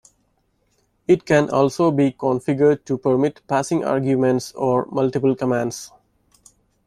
It can also be configured to permit passing arguments or multiple commands.